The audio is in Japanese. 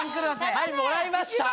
はいもらいました！